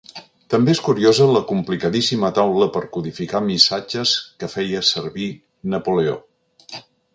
També és curiosa la complicadíssima taula per codificar missatges que feia servir Napoleó.